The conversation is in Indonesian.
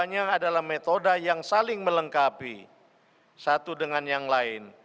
duanya adalah metode yang saling melengkapi satu dengan yang lain